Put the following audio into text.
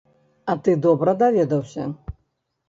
А ты добра даведаўся?